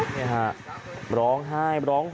กลบั้มหน